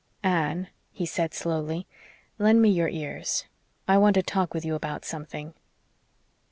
"Anne," he said slowly, "lend me your ears. I want to talk with you about something."